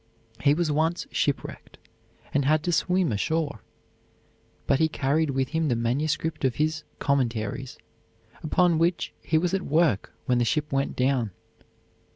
He was once shipwrecked, and had to swim ashore; but he carried with him the manuscript of his "Commentaries," upon which he was at work when the ship went down.